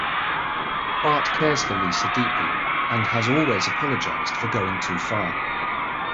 Bart cares for Lisa deeply and has always apologized for going too far.